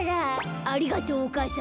「ありがとうお母さん。